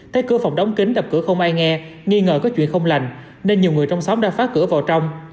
tới cửa phòng đóng kính đập cửa không ai nghe nghi ngờ có chuyện không lành nên nhiều người trong xóm đã phá cửa vào trong